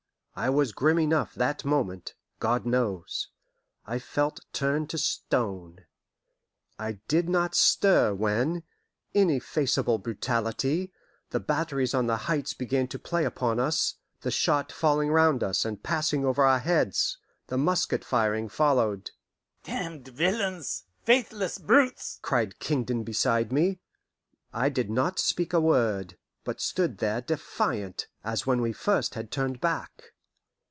I was grim enough that moment, God knows; I felt turned to stone. I did not stir when ineffaceable brutality the batteries on the heights began to play upon us, the shot falling round us, and passing over our heads, and musket firing followed. "Damned villains! Faithless brutes!" cried Kingdon beside me. I did not speak a word, but stood there defiant, as when we first had turned back.